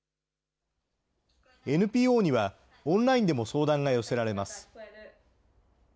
ＮＰＯには、オンラインでも相談が寄せられます。